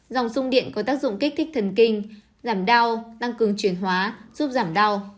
dòng sung điện có tác dụng kích thích thần kinh giảm đau tăng cường chuyển hóa giúp giảm đau